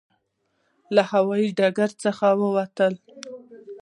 له هوایي ډګره چې ووتلو.